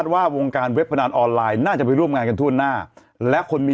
ว่าวงการเว็บพนันออนไลน์น่าจะไปร่วมงานกันทั่วหน้าและคนมี